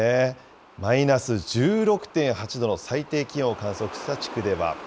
マイナス１６．８度の最低気温を観測した地区では。